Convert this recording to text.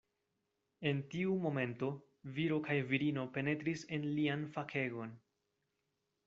En tiu momento viro kaj virino penetris en lian fakegon.